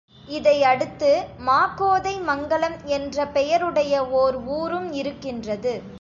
இதையடுத்து மாக்கோதை மங்கலம் என்ற பெயருடைய ஒர் ஊரும் இருக்கின்றது.